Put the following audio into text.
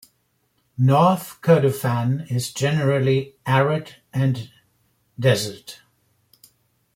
North Kurdufan is generally arid and desert.